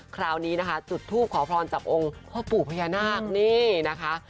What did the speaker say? คราวนี้นะคะจุดทูปขอพรจากองค์พ่อปู่พญานาคนี่นะคะ